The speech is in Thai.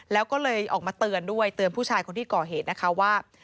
แล้วก็เลยออกมาเตือนด้วยเตือนผู้ชายคนที่ก่อเหตุนะคะว่า